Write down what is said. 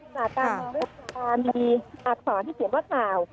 สาธารณ์รถจีนการมีอักษรที่เขียนว่าข่าว